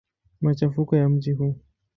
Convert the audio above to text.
Machafuko ya mji huu.